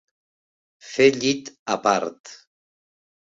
Fer llit a part.